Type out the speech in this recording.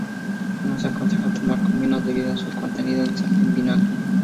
No se aconseja tomar con vinos debido a su contenido en vinagre.